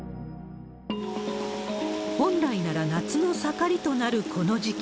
本来なら夏の盛りとなるこの時期。